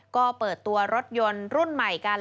ก็เปิดตัวรถยนต์รุ่นใหม่กัน